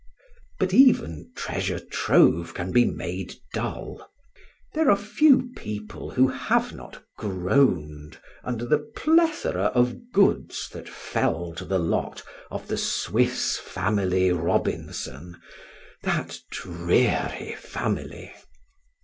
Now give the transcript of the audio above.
But even treasure trove can be made dull. There are few people who have not groaned under the plethora of goods that fell to the lot of the Swiss Family Robinson, that dreary family.